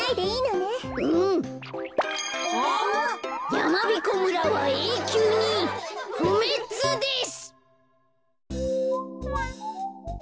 やまびこ村はえいきゅうにふめつです。